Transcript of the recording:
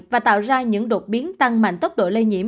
và tạo ra những đột biến tăng mạnh tốc độ lây nhiễm